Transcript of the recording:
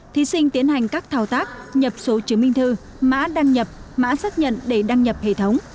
thí sinh tiến hành các thao tác nhập số chứng minh thư mã đăng nhập mã xác nhận để đăng nhập hệ thống